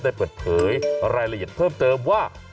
ได้เปิดเผยรายละเอียดเพิ่มเติมว่า